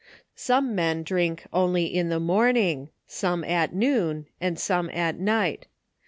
Some men, drink only in the morning, some at noon, and some at night.